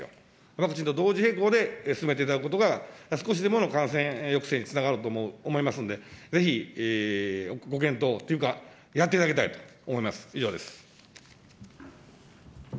ワクチンと同時並行で進めていただくことが、少しでもの感染抑制につながると思いますんで、ぜひご検討というか、やっていただきたいと思います。